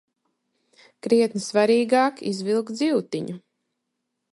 Krietni svarīgāk izvilkt zivtiņu.